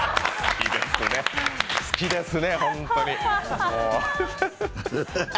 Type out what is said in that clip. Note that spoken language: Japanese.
好きですね、本当に。